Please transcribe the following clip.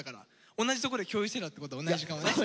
同じとこで共有してたってこと同じ時間をね。